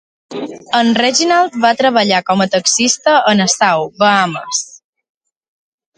En Reginald va treballar com a taxista a Nassau, Bahames.